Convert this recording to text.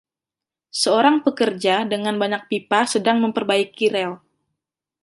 Seorang pekerja dengan banyak pipa sedang memperbaiki rel.